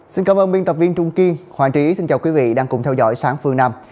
xin cảm ơn biên tập viên trung kiên hoàng trí xin chào quý vị đang cùng theo dõi sáng phương nam